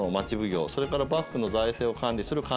それから幕府の財政を管理する勘定奉行。